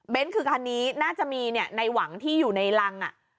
คือคันนี้น่าจะมีในหวังที่อยู่ในรัง